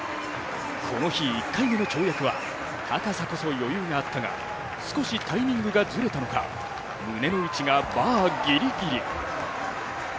この日１回目の跳躍は、高さこそ余裕があったが、少しタイミングがずれたのか、胸の位置がバーぎりぎり。